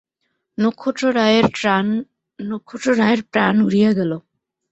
নক্ষত্ররায়ের প্রাণ উড়িয়া গেল।